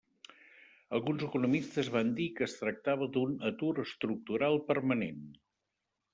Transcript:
Alguns economistes van dir que es tractava d'un atur estructural permanent.